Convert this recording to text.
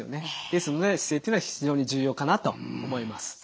ですので姿勢っていうのは非常に重要かなと思います。